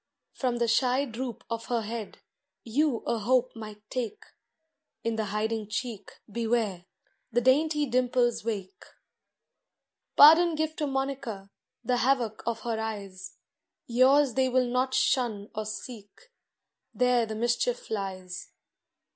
From the shy droop of her head You a hope might take ; In the hiding cheek, bew^are. The dainty dimples wake. Pardon give to Monica. Pardon give to Monica, The havoc of her eyes. Yours they will not shun or seek, There the mischief lies.